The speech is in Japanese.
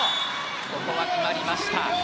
ここは決まりました。